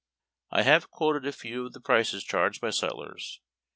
I have quoted a few of the prices charged by sutlers.